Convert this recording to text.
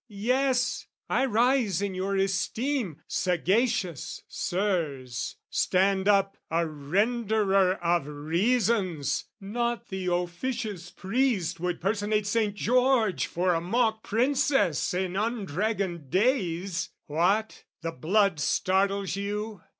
Yes, I rise in your esteem, sagacious Sirs, Stand up a renderer of reasons, not The officious priest would personate Saint George For a mock Princess in undragoned days, What, the blood startles you?